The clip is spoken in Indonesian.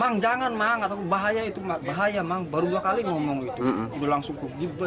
mang jangan bang bahaya itu bang bahaya bang baru dua kali ngomong itu udah langsung kegeliban